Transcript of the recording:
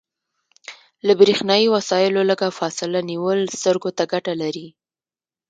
له بریښنایي وسایلو لږه فاصله نیول سترګو ته ګټه لري.